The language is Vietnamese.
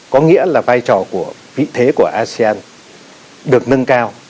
có nghĩa là vai trò của vị thế của asean được nâng cao